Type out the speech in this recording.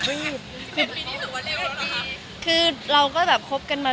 มีปิดฟงปิดไฟแล้วถือเค้กขึ้นมา